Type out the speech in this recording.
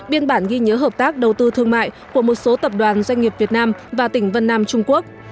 biên bản ghi nhớ hợp tác đầu tư thương mại của một số tập đoàn doanh nghiệp việt nam và tỉnh vân nam trung quốc